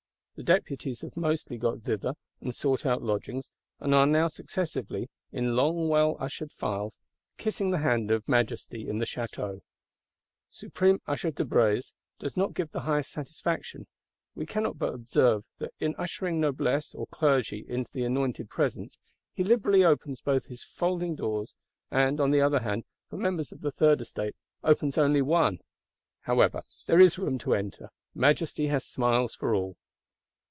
The Deputies have mostly got thither, and sought out lodgings; and are now successively, in long well ushered files, kissing the hand of Majesty in the Château. Supreme Usher de Brézé does not give the highest satisfaction: we cannot but observe that in ushering Noblesse or Clergy into the anointed Presence, he liberally opens both his folding doors; and on the other hand, for members of the Third Estate opens only one! However, there is room to enter; Majesty has smiles for all.